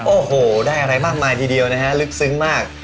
โอ้โหได้อะไรมากมายทีเดียวนะฮะลึกซึ้งมาก